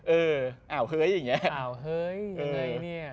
เอาเฮ้ยอย่างนี้